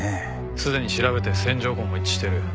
すでに調べて線条痕も一致してる。